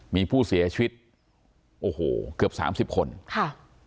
มีผู้เสียชีวิตโอ้โหเกือบสามสิบคนค่ะ